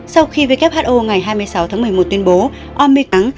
sau khi who ngày hai mươi sáu tháng một mươi một tuyên bố omicron